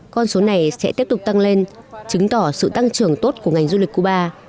con số này sẽ tiếp tục tăng lên chứng tỏ sự tăng trưởng tốt của ngành du lịch cuba